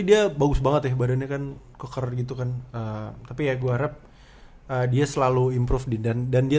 ini bagus bangetnya badannya kan koker gitu kan tapi ya gua rap dia selalu approve dindar dan dia